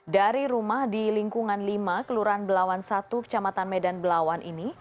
dari rumah di lingkungan lima kelurahan belawan satu kecamatan medan belawan ini